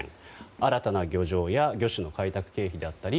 新たな漁場や魚種の開拓経費だったり